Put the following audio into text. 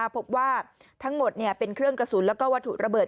พบว่าทั้งหมดเป็นเครื่องกระสุนแล้วก็วัตถุระเบิด